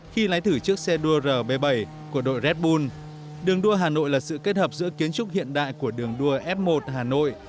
khi lái thử chiếc xe đua rb bảy của đội red bull đường đua hà nội là sự kết hợp giữa kiến trúc hiện đại của đường đua f một hà nội